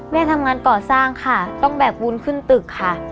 แม่ทำงานก่อสร้างค่ะต้องแบกบุญขึ้นตึกค่ะ